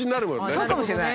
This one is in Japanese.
そうかもしれない。